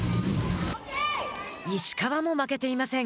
石川も負けていません。